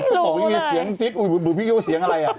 อุ๊ยมีเสียงซิสอุ๊ยพี่โย่เสียงอะไร